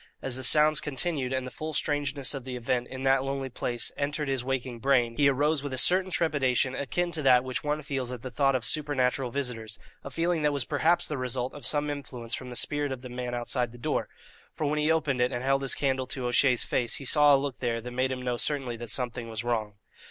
As the sounds continued and the full strangeness of the event, in that lonely place, entered his waking brain, he arose with a certain trepidation akin to that which one feels at the thought of supernatural visitors, a feeling that was perhaps the result of some influence from the spirit of the man outside the door; for when he opened it, and held his candle to O'Shea's face, he saw a look there that made him know certainly that something was wrong.